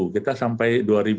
kita sampai dua ribu dua